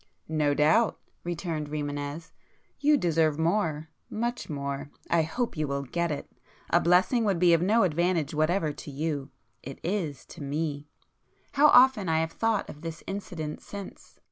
"No doubt!" returned Rimânez—"You deserve more,—much more! I hope you will get it! A blessing would be of no advantage whatever to you;—it is, to me." How often I have thought of this incident since!